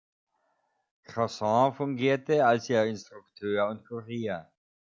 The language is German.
Croissant fungierte als ihr Instrukteur und Kurier.